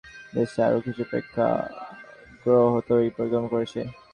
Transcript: একই ধারাবাহিকতায় আমরা সারা দেশে আরও কিছু প্রেক্ষাগৃহ তৈরির পরিকল্পনা করেছি।